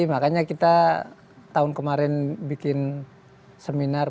makanya kita tahun kemarin bikin seminar